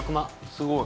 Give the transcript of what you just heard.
すごい。